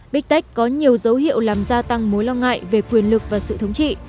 big tech có nhiều dấu hiệu làm gia tăng mối lo ngại về quyền lực và sự thống trị